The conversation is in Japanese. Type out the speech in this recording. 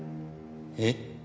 えっ？